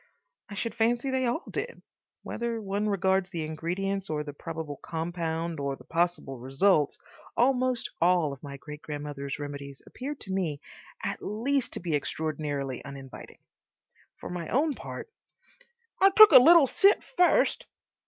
I should fancy they all did. Whether one regards the ingredients or the probable compound or the possible results, almost all of my great grandmother's remedies appear to me at least to be extraordinarily uninviting. For my own part— "I took a little sip first."